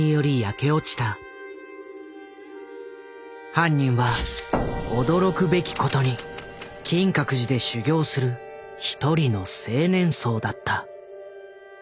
犯人は驚くべきことに金閣寺で修行する一人の青年僧だった。